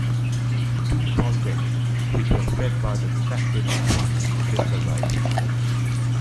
Two fountains, which were fed by the sacred spring, still survive.